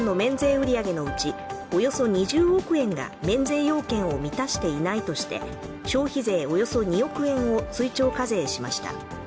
売り上げのうちおよそ２０億円が免税要件を満たしていないとして、消費税およそ２億円を追徴課税しました。